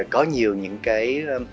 có nhiều những cái